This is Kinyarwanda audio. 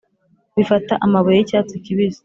bifata amabuye yicyatsi kibisi